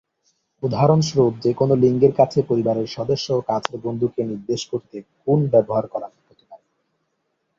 উদাহরণস্বরূপ, যেকোন লিঙ্গের কাছের পরিবারের সদস্য ও কাছের বন্ধুকে নির্দেশ করতে "-কুন" ব্যবহার করা হতে পারে।